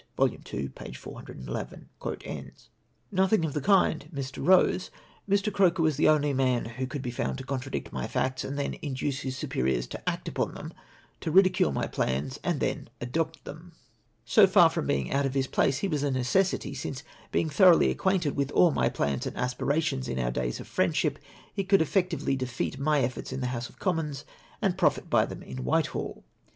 (Vol. ii. p. 411.) Nothing of the kind, Mr. Rose, Mr, Croker was the only man who could be found to contradict my facts, and then induce his superiors to act upon them — to ridicule my plans, and then adopt them. So far from being out of his place, he was a necessity, since being thoroughly acquainted with all my plans and aspirations in our days of friendship, he coidd effec tively defeat my efforts in the House of Commons and profit by them in Whitehall.